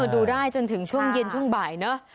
ดูได้จนถึงช่วงเย็นช่วงบ่ายเนอะ